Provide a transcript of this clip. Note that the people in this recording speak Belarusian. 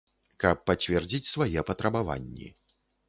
Каб пацвердзіць свае патрабаванні.